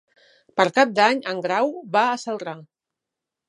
Per Cap d'Any en Grau va a Celrà.